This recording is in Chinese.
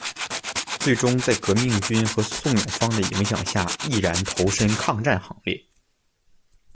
最终在革命军和宋永芳的影响下毅然投身抗战行列。